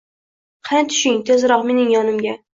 qani, tushing, tezroq mening yonimga.